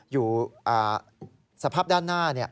อยู่สภาพด้านหน้า